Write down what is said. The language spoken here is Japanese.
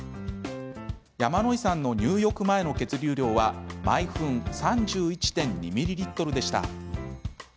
山野井さんの入浴前の血流量は毎分３１．２ミリリットルでした。